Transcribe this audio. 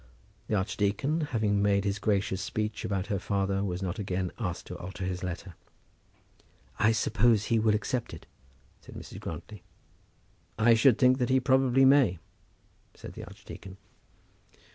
The archdeacon, having made his gracious speech about her father, was not again asked to alter his letter. "I suppose he will accept it," said Mrs. Grantly. "I should think that he probably may," said the archdeacon.